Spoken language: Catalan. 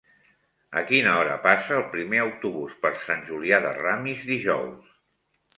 A quina hora passa el primer autobús per Sant Julià de Ramis dijous?